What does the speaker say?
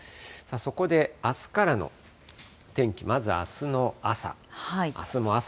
そこで、あすからの天気、まずあすの朝。